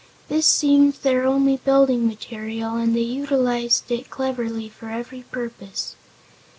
This seemed their only building material and they utilized it cleverly for every purpose.